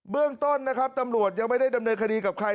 เรื่องต้นนะครับตำรวจยังไม่ได้ดำเนินคดีกับใคร